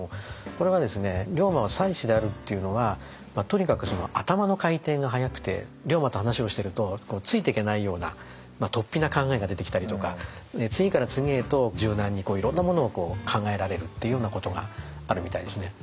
これは「龍馬は才子である」っていうのはとにかく頭の回転が速くて龍馬と話をしてるとついてけないようなとっぴな考えが出てきたりとか。次から次へと柔軟にこういろんなものを考えられるっていうようなことがあるみたいですね。